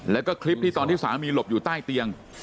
แล้วก็คลิปที่ตอนที่สามีหลบอยู่ใต้เตียง